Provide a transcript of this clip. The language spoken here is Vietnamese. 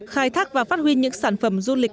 khai thác và phát huy những sản phẩm du lịch